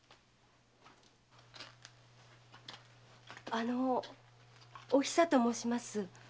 あのおひさと申します。